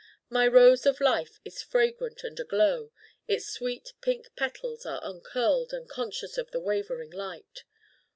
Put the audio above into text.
My rose of life is fragrant and aglow. Its sweet pink petals are uncurled and conscious in the wavering light.